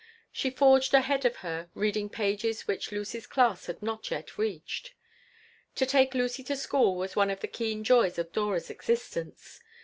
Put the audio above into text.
She forged ahead of her, reading pages which Lucy's class had not yet reached. To take Lucy to school was one of the keen joys of Dora's existence.